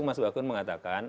mas bakun mengatakan